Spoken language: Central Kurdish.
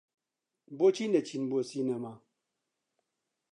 بۆچی نەچین بۆ سینەما؟